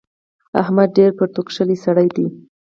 احمد ډېر پرتوګ کښلی سړی دی.